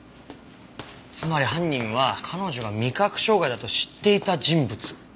つまり犯人は彼女が味覚障害だと知っていた人物。